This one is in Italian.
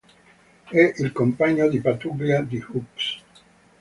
È il compagno di pattuglia di Hooks.